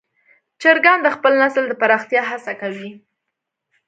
چرګان د خپل نسل د پراختیا هڅه کوي.